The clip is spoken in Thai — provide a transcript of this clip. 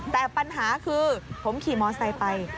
แต่ปัญหาคือผมขี่มอเซอร์ไซส์ไป